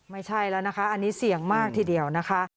ไม่ใช่แล้วนะคะอันนี้เสี่ยงมากทีเดียวนะคะ